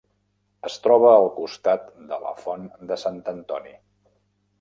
Es troba al costat de la font de Sant Antoni.